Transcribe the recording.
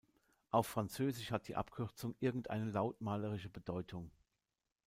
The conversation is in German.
Auf Französisch hat die Abkürzung irgendeine lautmalerische Bedeutung.